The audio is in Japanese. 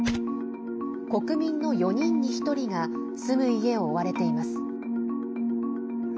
国民の４人に１人が住む家を追われています。